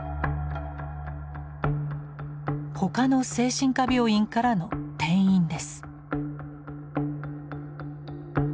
他の精神科病院からの転院です。